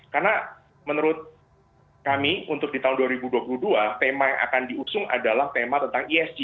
karena menurut kami untuk di tahun dua ribu dua puluh dua tema yang akan diusung adalah tema tentang esg